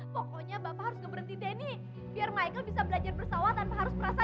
pokoknya bapak harus berhenti deni biar michael bisa belajar bersawa tanpa harus merasa ada